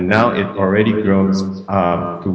dan sekarang sudah berkembang